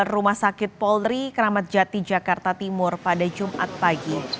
rumah sakit polri keramat jati jakarta timur pada jumat pagi